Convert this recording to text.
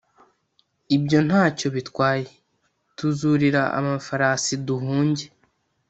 «Ibyo nta cyo bitwaye ! Tuzurira amafarasi duhunge.»